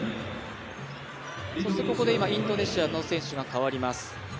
そしてここでインドネシアの選手が代わります。